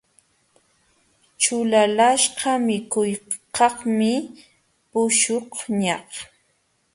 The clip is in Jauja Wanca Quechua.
Ćhulalaqśhqa mikuykaqmi puśhuqñaq.